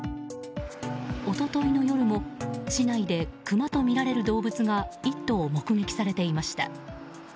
一昨日の夜も市内でクマとみられる動物が１頭目撃されていました。